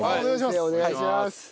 先生お願いします。